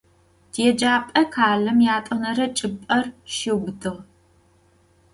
Tiêcap'e khalem yat'onere çç'ıp'er şiubıtığ.